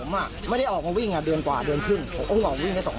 จากนู้นก็เลยโมโห